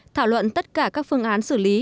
thảo luận tất cả các phương án xử lý